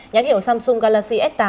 nhán hiệu samsung galaxy s tám